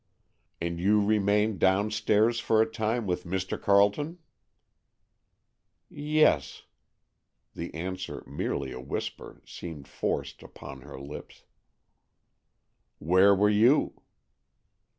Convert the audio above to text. "And you remained downstairs for a time with Mr. Carleton?" "Yes." The answer, merely a whisper, seemed forced upon her lips. "Where were you?"